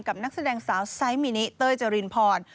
นักแสดงสาวไซส์มินิเต้ยเจรินพร